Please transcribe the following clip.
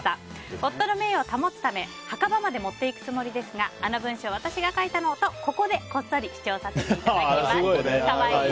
夫の名誉を保つため墓場まで持っていくつもりですがあの文章、私が書いたの！とここで、こっそり主張させていただきます。